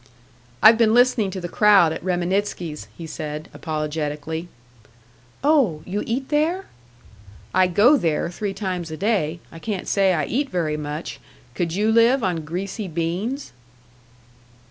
"I've been listening to the crowd at Reminitsky's," he said, apologetically. "Oh! You eat there?" "I go there three times a day. I can't say I eat very much. Could you live on greasy beans?"